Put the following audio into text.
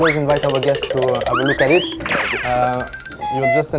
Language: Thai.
ตรงนั้นมีห้องหัวหลักเราต้องเจอกัน